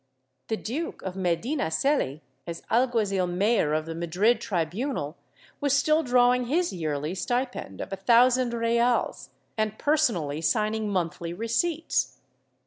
The Duke of Medinaceli, as alguazil mayor of the Madrid tribunal, was still drawing his yearly stipend of a thousand reales and personally signing monthly receipts.